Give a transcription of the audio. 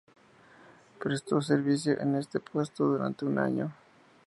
Prestó servicio en este puesto durante un año.